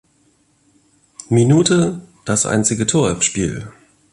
Minute das einzige Tor im Spiel.